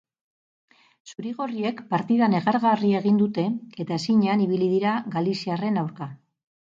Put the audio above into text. Zuri-gorriek partida negargarria egin dute eta ezinean ibili dira galiziarren aurka.